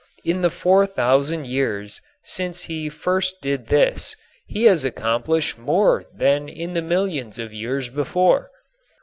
In the four thousand years since he first did this he has accomplished more than in the millions of years before.